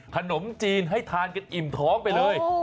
ขนมจีนให้ทานกันอิ่มท้องไปเลย